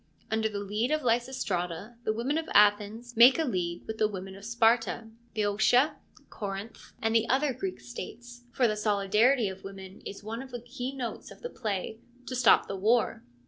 Under the lead of Lysistrata the women of Athens make a league with the women of Sparta, Bceotia, Corinth, and the other 160 FEMINISM IN GREEK LITERATURE Greek States (for the solidarity of women is one of the key notes of the play), to stop the war.